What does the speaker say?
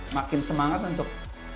makin semangat untuk